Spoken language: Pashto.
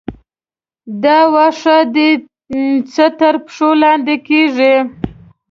دا واښه دي چې تر پښو لاندې کېږي.